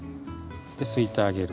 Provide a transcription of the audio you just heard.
ですいてあげる。